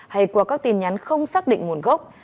hay qua các tin nhắn không xác định nguồn gốc